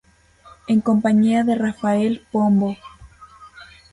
En compañía de Rafael Pombo.